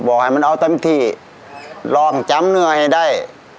ให้มันเอาเต็มที่ลองจำเนื้อให้ได้